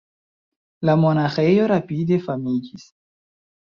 La monaĥejo rapide famiĝis.